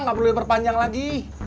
nggak perlu diperpanjang lagi